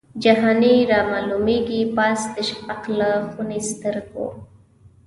جهاني رامعلومیږي پاس د شفق له خوني سترګو